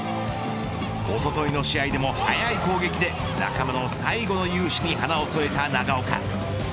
おとといの試合でも速い攻撃で仲間の最後の雄姿に華を添えた長岡。